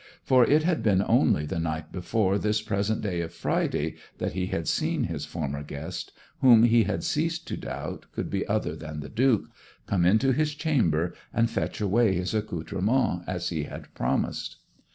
For it had been only the night before this present day of Friday that he had seen his former guest, whom he had ceased to doubt could be other than the Duke, come into his chamber and fetch away his accoutrements as he had promised.